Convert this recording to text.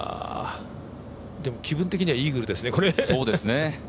気分的にはイーグルですね、これ。